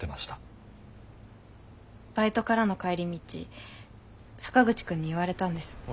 バイトからの帰り道坂口くんに言われたんです。